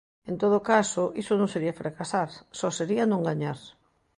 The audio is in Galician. En todo caso, iso non sería fracasar, só sería non gañar.